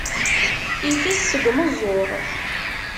Itess seg umeẓẓuɣ.